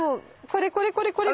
これこれこれこれ！